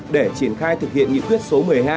để triển khai thực hiện nghị quyết số một mươi hai